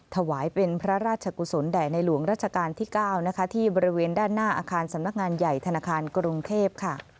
ถวายเป็นพระราชกุศลแด่ในหลวงราชการที่๙ที่บริเวณด้านหน้าอาคารสำนักงานใหญ่ธนาคารกรุงเทพค่ะ